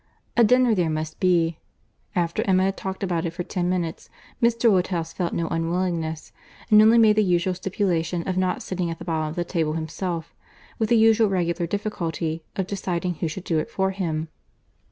A dinner there must be. After Emma had talked about it for ten minutes, Mr. Woodhouse felt no unwillingness, and only made the usual stipulation of not sitting at the bottom of the table himself, with the usual regular difficulty of deciding who should do it for him.